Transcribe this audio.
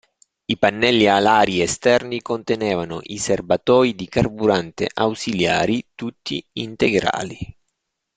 I pannelli alari esterni contenevano i serbatoi di carburante ausiliari, tutti integrali.